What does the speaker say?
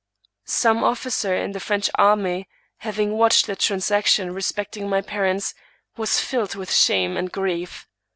Some officer in the French army, having watched the transaction respecting my parents, was filled with shame and grief.